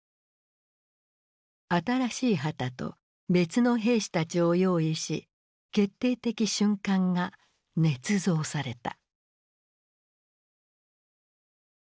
新しい旗と別の兵士たちを用意し決定的瞬間がねつ造された。